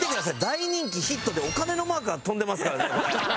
「大人気」「ヒット」でお金のマークが飛んでますからねこれ。